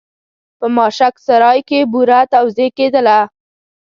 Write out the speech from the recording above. په ماشک سرای کې بوره توزېع کېدله.